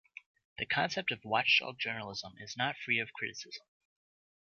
The concept of watchdog journalism is not free of criticism.